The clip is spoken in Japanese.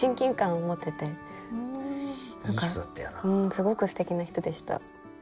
すごくすてきな人でした。